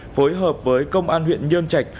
phối hợp với công an huyện nhơn trạch